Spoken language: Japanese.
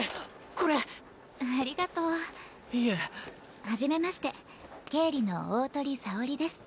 これありがとういえはじめまして経理の鳳沙織です